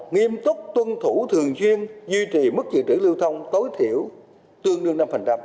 nghiêm túc tuân thủ thường duyên duy trì mức dự trữ lưu thông tối thiểu tương đương năm